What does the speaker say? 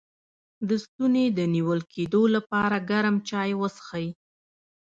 د ستوني د نیول کیدو لپاره ګرم چای وڅښئ